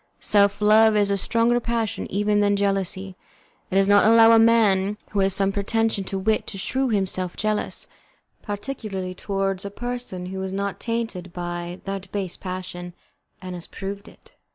Self love is a stronger passion even than jealousy; it does not allow a man who has some pretension to wit to shew himself jealous, particularly towards a person who is not tainted by that base passion, and has proved it.